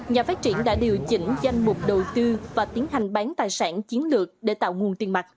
nhà phát triển đã điều chỉnh danh mục đầu tư và tiến hành bán tài sản chiến lược để tạo nguồn tiền mặt